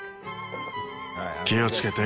気をつけて。